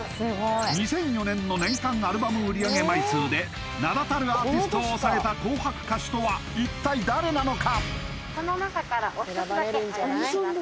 ２００４年の年間アルバム売上枚数で名だたるアーティストを抑えた紅白歌手とは一体誰なのか？